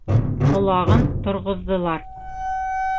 Ҡолағын торғоҙҙолар.